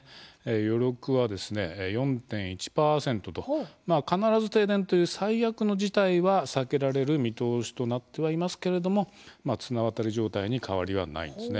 余力はですね４．１％とまあ必ず停電という最悪の事態は避けられる見通しとなってはいますけれどもまあ綱渡り状態に変わりはないんですね。